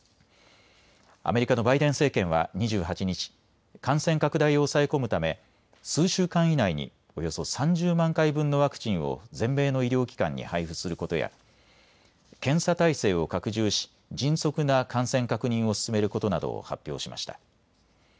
アメリカのバイデン政権は２８日、感染拡大を抑え込むため数週間以内におよそ３０万回分のワクチンを全米の医療機関に配布することや検査態勢を拡充し迅速な感染確認を進めることなどを発表しました。